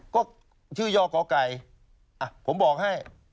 ก็ชื่อย่อกไก่ผมบอกให้